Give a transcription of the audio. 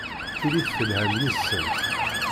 Ilit telham yid-sent.